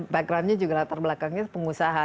backgroundnya juga latar belakangnya pengusaha